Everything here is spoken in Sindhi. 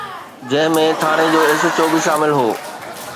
جنهن ۾ ٿاڻي جو ايس ايڇ او به شامل هو.